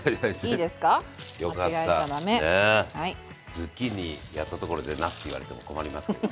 ズッキーニやったところでなすって言われても困りますけど。